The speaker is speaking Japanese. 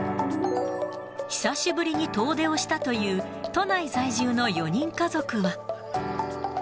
久しぶりに遠出をしたという都内在住の４人家族は。